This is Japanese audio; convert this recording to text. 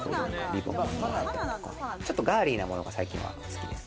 ガーリーなものが最近は好きです。